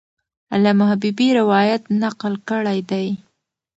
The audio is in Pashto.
علامه حبیبي روایت نقل کړی دی.